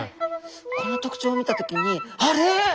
この特徴を見た時にあれ？